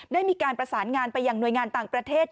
ได้มีการประสานงานไปอย่างหน่วยงานต่างประเทศ